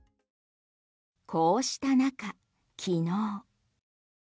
こうした中、昨日。